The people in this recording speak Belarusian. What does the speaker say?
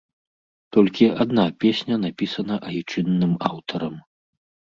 Толькі адна песня напісана айчынным аўтарам.